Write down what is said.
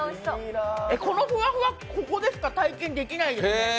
このふわふわ、ここでしか体験できないですね。